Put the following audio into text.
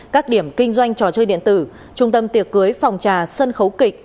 các điểm kinh doanh trò chơi điện tử trung tâm tiệc cưới phòng trà sân khấu kịch